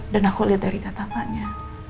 dan aku lihat dari tatapannya